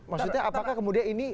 maksudnya apakah kemudian ini